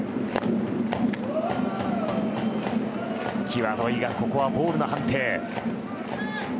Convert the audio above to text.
際どいがここはボールの判定。